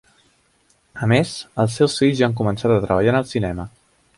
A més els seus fills ja han començat a treballar en el cinema.